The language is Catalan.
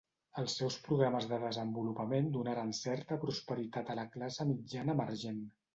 Els seus programes de desenvolupament donaren certa prosperitat a la classe mitjana emergent.